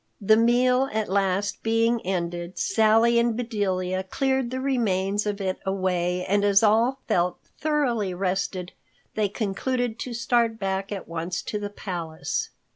The meal at last being ended, Sally and Bedelia cleared the remains of it away, and as all felt thoroughly rested, they concluded to start back at once to the palace.